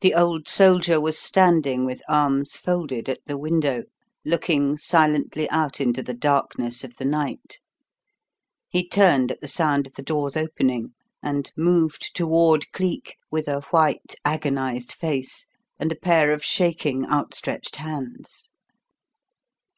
The old soldier was standing, with arms folded, at the window looking silently out into the darkness of the night. He turned at the sound of the door's opening and moved toward Cleek with a white, agonised face and a pair of shaking, outstretched hands.